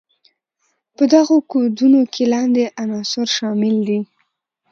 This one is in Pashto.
په دغو کودونو کې لاندې عناصر شامل دي.